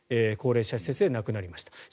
高齢者施設で亡くなりました。